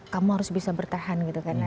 kamu harus bisa bertahan